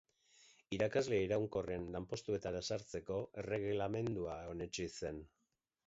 Irakasle iraunkorren lanpostuetara sartzeko erregelamendua onetsi zen.